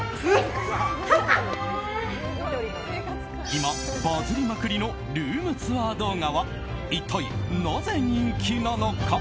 今、バズりまくりのルームツアー動画は一体なぜ人気なのか。